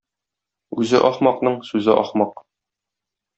Үзе ахмакның сүзе ахмак.